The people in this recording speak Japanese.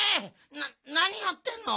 ななにやってんの？